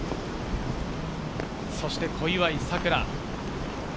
そして小祝さくら。